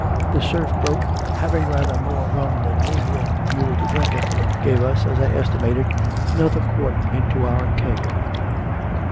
The Surf boat, having rather more rum than we, and fewer to drink it, gave us, as I estimated, another quart into our keg.